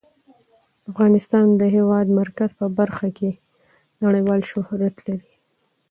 افغانستان د د هېواد مرکز په برخه کې نړیوال شهرت لري.